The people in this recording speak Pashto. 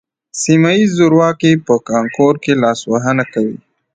سیمه ییز زورواکي په کانکور کې لاسوهنه کوي